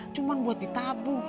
cuman buat ditabung